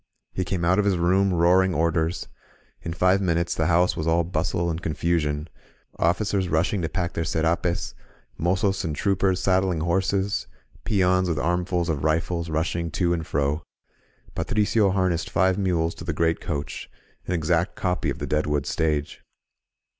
He came out of his room, roaring orders. In five min utes the house was all bustle and confusion, — officers rushing to pack their scrapes, mozos and troopers sad dling horses, peons with armfuls of rifles rushing to and fro. Patricio harnessed five mules to the great coach, — an exact copy of the Deadwood Stage.